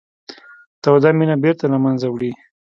توده مینه بېره له منځه وړي